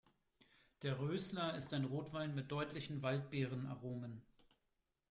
Der Roesler ist ein Rotwein mit deutlichen Waldbeeren-Aromen.